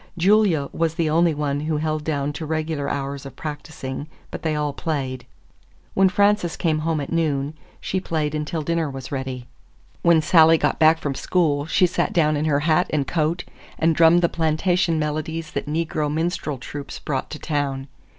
Julia was the only one who was held down to regular hours of practicing, but they all played. When Frances came home at noon, she played until dinner was ready. When Sally got back from school, she sat down in her hat and coat and drummed the plantation melodies that negro minstrel troupes brought to town.